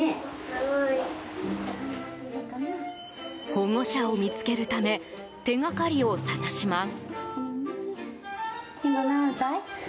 保護者を見つけるため手がかりを探します。